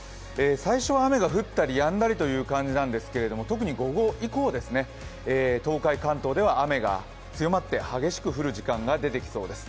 最初、雨が降ったりやんだりという感じなんですけど特に午後以降、東海、関東では雨が強まって激しく降る時間が出てきそうです。